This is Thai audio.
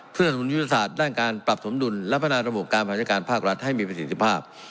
เพื่อสนุนยุทธศาสตร์ด้านการปรับสมดุลและพัฒนาระบบการบริหารจัดการภาครัฐให้มีประสิทธิภาพ